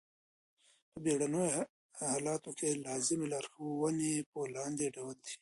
په بېړنیو حالاتو کي لازمي لارښووني په لاندي ډول دي.